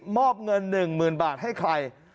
มอบเงิน๑๐๐๐บาทให้ใคร